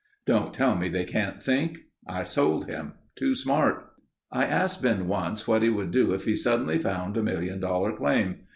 Don't tell me they can't think! I sold him. Too smart." I asked Ben once what he would do if he suddenly found a million dollar claim.